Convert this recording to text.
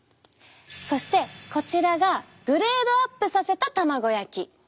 そしてこちらがグレードアップさせた卵焼き。